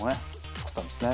作ったんですね